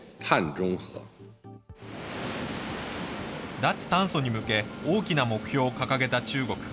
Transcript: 脱炭素に向け、大きな目標を掲げた中国。